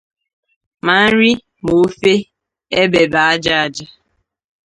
ma nri ma ofe ebebe aja aja.